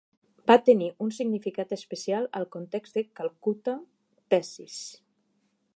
Va tenir un significat especial al context de 'Calcutta thesis'.